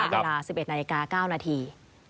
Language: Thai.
เวลา๑๑นาฬิกา๙นาที